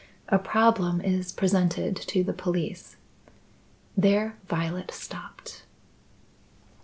A problem is presented to the police " There Violet stopped.